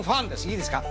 いいですか？